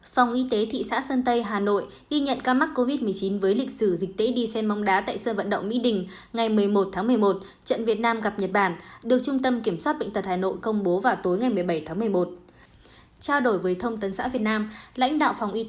phòng y tế thị xã sơn tây hà nội ghi nhận ca mắc covid một mươi chín với lịch sử dịch tễ đi xem bóng đá tại sân vận động mỹ đình ngày một mươi một tháng một mươi một trận việt nam gặp nhật bản được trung tâm kiểm soát bệnh tật hà nội công bố vào tối ngày một mươi bảy tháng một mươi một